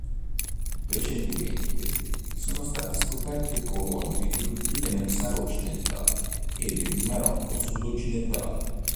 Recentemente, sono state scoperte colonie riproduttive nel Sahara Occidentale ed in Marocco sud-occidentale.